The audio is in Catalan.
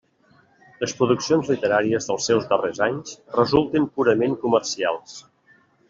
Les produccions literàries dels seus darrers anys resulten purament comercials.